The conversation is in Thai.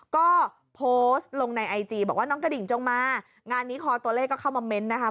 ก็โพสต์ลงในไอจีบอกว่าน้องกระดิ่งจงมางานนี้คอตัวเลขก็เข้ามาเมนต์นะคะ